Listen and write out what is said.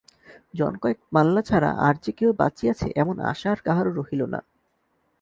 জনকয়েক মাল্লা ছাড়া আর-যে কেহ বাঁচিয়াছে, এমন আশা আর কাহারো রহিল না।